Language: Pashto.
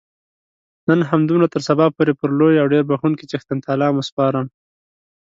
نن همدومره تر سبا پورې پر لوی او ډېر بخښونکي څښتن تعالا مو سپارم.